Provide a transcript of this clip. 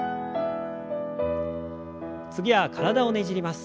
次は体をねじります。